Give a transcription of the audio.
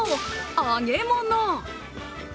揚げ物。